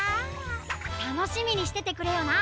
たのしみにしててくれよな。